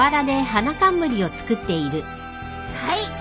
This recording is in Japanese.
はい。